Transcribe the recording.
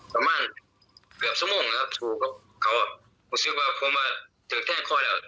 ประมาณเกือบชั่วโมงที่มันสู้กับเขา